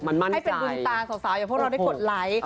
มันมั่นใจให้เป็นบุญตาสาวอย่าเพราะเราได้กดไลค์